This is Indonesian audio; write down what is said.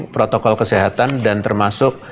protokol kesehatan dan termasuk